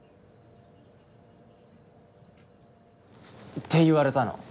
って言われたの。